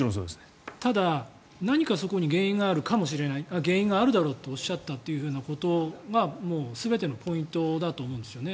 ただ、何かそこに原因があるだろうとおっしゃったということが全てのポイントだと思うんですよね。